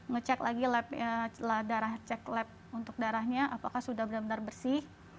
ngecek lagi darah cek lab untuk darahnya apakah sudah benar benar bersih